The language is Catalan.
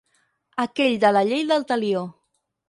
Aquell de la llei del Talió.